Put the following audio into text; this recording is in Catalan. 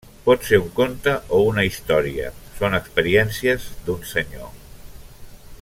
Pot ser un conte o una història, són experiències d'un senyor.